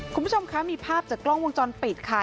คุณผู้ชมคะมีภาพจากกล้องวงจรปิดค่ะ